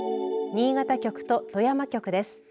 新潟局と富山局です。